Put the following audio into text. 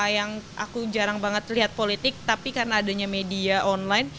yang aku jarang banget lihat politik tapi karena adanya media online